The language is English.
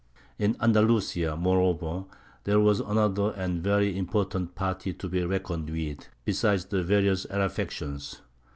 In Andalusia, moreover, there was another and very important party to be reckoned with, besides the various Arab factions.